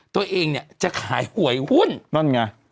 ตัวเองเนี่ยจะขายหวยหุ้นนั่นไง